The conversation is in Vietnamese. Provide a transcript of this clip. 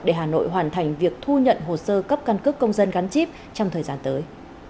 để hà nội hoàn thành việc thu nhận hồ sơ cấp căn cước công dân gắn chip trong thời gian tới